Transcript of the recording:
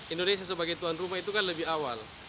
indonesia sebagai tuan rumah itu kan lebih awal